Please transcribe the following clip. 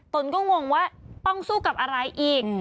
ตนก็งงว่าต้องสู้กับอะไรอีก